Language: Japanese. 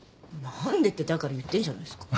何でってだから言ってんじゃないですか。